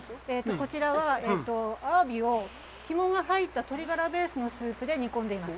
こちらは、アワビを肝が入った鶏ガラベースのスープで煮込んでいます。